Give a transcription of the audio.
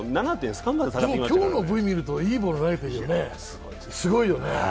今日のＶ見るといいボールを投げてるよね、すごいよね。